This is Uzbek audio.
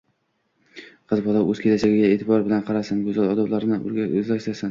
Qiz bola o‘z kelajagiga e’tibor bilan qarasin, go‘zal odoblarni o‘zlashtirsin.